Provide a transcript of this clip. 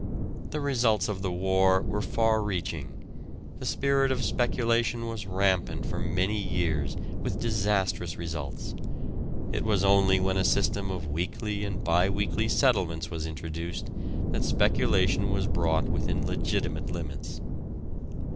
The results of the war were far reaching. The spirit of speculation was rampant for many years, with disastrous results; it was only when a system of weekly and bi weekly settlements was introduced that speculation was brought within legitimate limits.